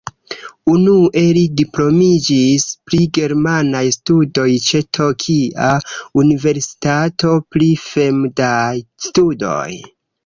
Unue li diplomiĝis pri germanaj studoj ĉe Tokia Universitato pri Fremdaj Studoj.